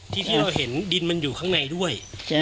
ที่เราเห็นดินมันอยู่ข้างในด้วย